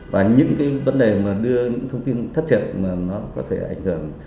và những cái vấn đề mà đưa những thông tin thất thiệt mà nó có thể ảnh hưởng